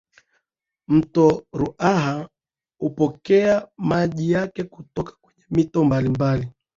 mto ruaha unapokea maji yake kutoka kwenye mito mbalimbali